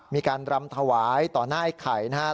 มีการรำถวายต่อหน้าไอ้ไข่นะครับ